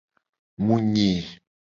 Mu nyi.